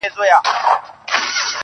• زه يې د ميني په چل څنگه پوه كړم.